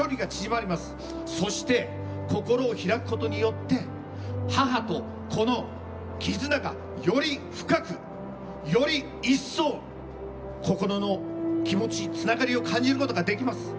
そして、心を開くことによって母と子の絆がより深くより一層心の気持ち、つながりを感じることができます。